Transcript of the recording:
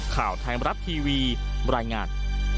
ข่าวไทยมรัฐทีวีบรรยายงาน